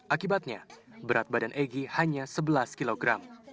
akibatnya berat badan egy hanya sebelas kilogram